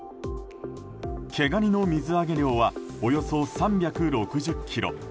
毛ガニの水揚げ量はおよそ３６０ｋｇ。